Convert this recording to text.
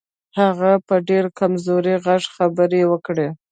هغه په ډېر کمزوري غږ خبرې وکړې.